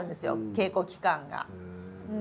稽古期間が。